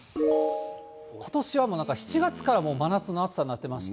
ことしはもうなんか、７月から真夏の暑さになっていまして。